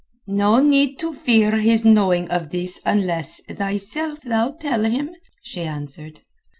"No need to fear his knowing of this unless, thyself, thou tell him," she answered.